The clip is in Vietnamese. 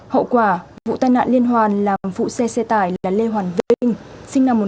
hậu quả vụ tai nạn liên hoàn làm phụ xe xe tải là lê hoàn vinh